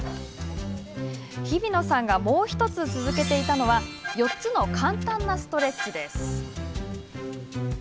日比野さんがもう１つ続けていたのは４つの簡単なストレッチ。